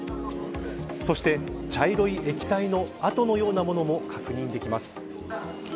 そして茶色い液体の跡のような物も確認できます。